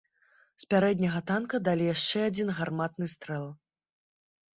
З пярэдняга танка далі яшчэ адзін гарматны стрэл.